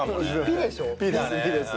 ピッです。